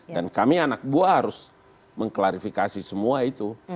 dan kami anak buah harus mengklarifikasi semua itu